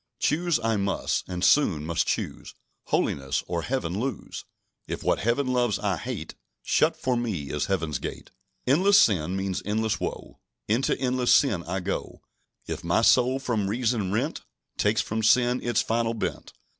"Choose I must, and soon must choose Holiness, or Heaven lose. If what Heaven loves I hate, Shut for me is Heaven's gate! "Endless sin means endless woe; Into endless sin I go If my soul, from reason rent, Takes from sin its final bent.